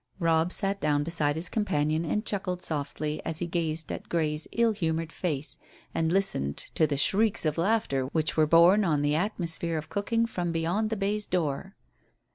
Robb sat down beside his companion and chuckled softly as he gazed at Grey's ill humoured face, and listened to the shrieks of laughter which were borne on the atmosphere of cooking from beyond the baize door.